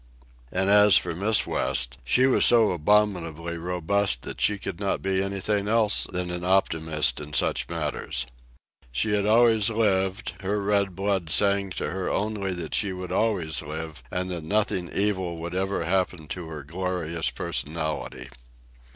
And as for Miss West, she was so abominably robust that she could not be anything else than an optimist in such matters. She had always lived; her red blood sang to her only that she would always live and that nothing evil would ever happen to her glorious personality.